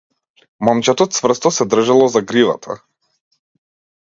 Момчето цврсто се држело за гривата.